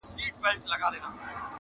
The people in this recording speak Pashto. له هر ځایه یې مړۍ په خوله کوله؛